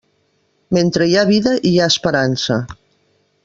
Mentre hi ha vida, hi ha esperança.